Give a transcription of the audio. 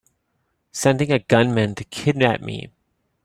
Sending a gunman to kidnap me!